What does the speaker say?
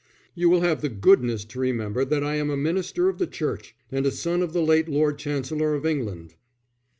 "You will have the goodness to remember that I am a minister of the Church and a son of the late Lord Chancellor of England."